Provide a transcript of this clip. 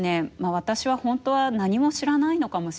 私はほんとは何も知らないのかもしれない。